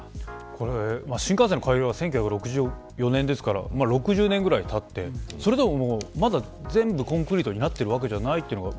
新幹線の開業は１９６４年ですから６０年くらいたってでもまだ全部コンクリートになってないわけです。